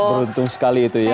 beruntung sekali itu ya